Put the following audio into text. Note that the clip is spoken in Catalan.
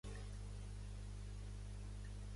Al Segrià també se t'hi ha perdut l'accent